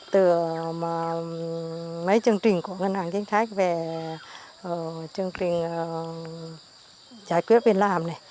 từ mấy chương trình của ngân hàng chính sách về chương trình giải quyết viên làm